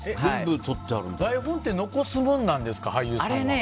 台本って残すものなんですか、俳優さんは。